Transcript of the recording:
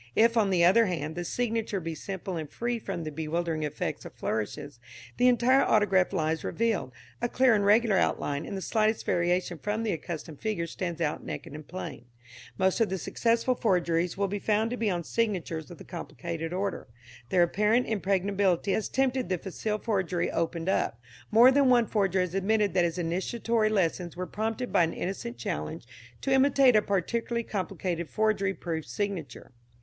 If, on the other hand, the signature be simple and free from the bewildering effects of flourishes, the entire autograph lies revealed, a clear and regular outline, and the slightest variation from the accustomed figure stands out naked and plain. Most of the successful forgeries will be found to be on signatures of the complicated order. Their apparent impregnability has tempted the facile penman to essay the task of harmless imitation; his success has surprised and flattered him, and the easy possibilities of forgery opened up. More than one forger has admitted that his initiatory lessons were prompted by an innocent challenge to imitate a particularly complicated "forgery proof" signature.